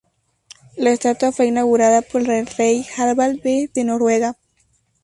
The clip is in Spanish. La estatua fue inaugurada por el rey Harald V de Noruega.